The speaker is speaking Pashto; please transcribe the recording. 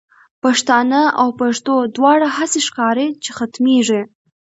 پښتانه او پښتو دواړه، هسی ښکاری چی ختمیږی